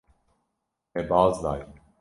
Me baz daye.